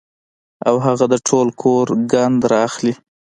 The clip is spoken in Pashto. او هغه د ټول کور ګند را اخلي